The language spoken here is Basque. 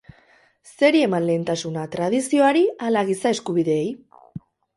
Zeri eman lehentasuna, tradizioari ala giza eskubideei?